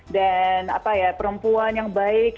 dan apa ya perempuan yang baik